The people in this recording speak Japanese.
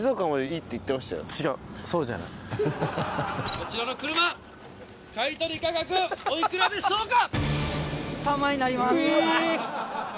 こちらの車買取価格おいくらでしょうか？